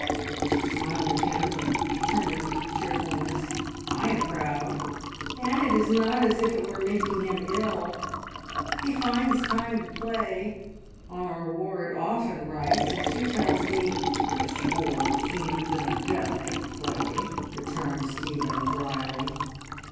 She smiled at him with determined cheerfulness. "I am proud. And it is not as if it were making him ill. He finds time to play. Honor Ward often writes and she tells me " "Miss Ward seems an adept at play," returned Stephen dryly.